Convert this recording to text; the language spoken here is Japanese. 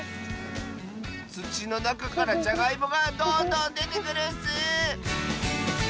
つちのなかからじゃがいもがどんどんでてくるッス！